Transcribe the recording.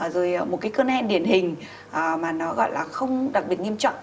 rồi một cái cơn hen điển hình mà nó gọi là không đặc biệt nghiêm trọng